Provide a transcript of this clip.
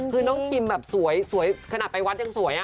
คือน้องคิมแบบสวยขนาดไปวัดยังสวย